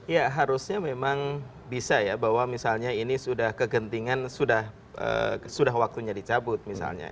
ya harusnya memang bisa ya bahwa misalnya ini sudah kegentingan sudah waktunya dicabut misalnya